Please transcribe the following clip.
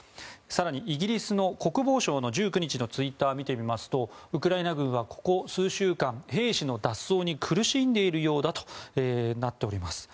更にイギリスの国防省の１９日のツイッターを見てみますとウクライナ軍はここ数週間、兵士の脱走に苦しんでいるようだとなっております。